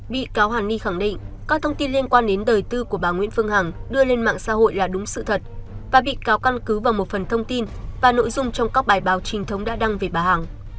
bị cáo hàn ni khẳng định các thông tin liên quan đến đời tư của bà nguyễn phương hằng đưa lên mạng xã hội là đúng sự thật và bị cáo căn cứ vào một phần thông tin và nội dung trong các bài báo trinh thống đã đăng về bà hằng